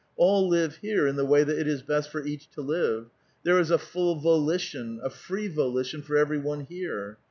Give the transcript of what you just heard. All live here in the way that it is best for each to live ; there is a full volition, a free volition for every one here.